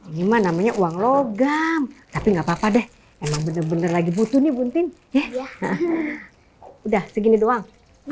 ini mah namanya uang logam tapi nggak papa deh bener bener lagi butuh nih buntin udah segini doang